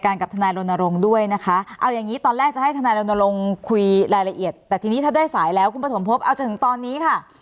รายละเอียดแต่ทีนี้ถ้าได้สายแล้วคุณปฐมภพเอาจนถึงตอนนี้ค่ะ